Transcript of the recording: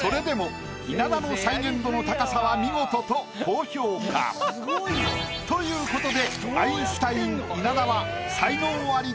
それでも稲田の再現度の高さは見事と高評価。ということでおめでとうございます。